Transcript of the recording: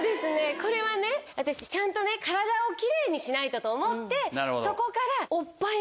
これはね私ちゃんとね体をキレイにしないとと思ってそこから。